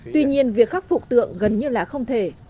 tuy nhiên việc khắc phục tượng tượng gần như là không thể